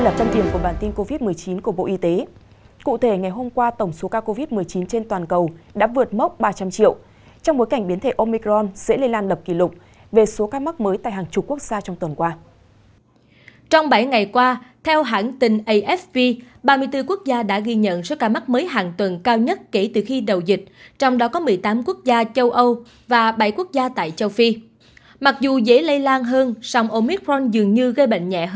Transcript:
các bạn hãy đăng ký kênh để ủng hộ kênh của chúng mình nhé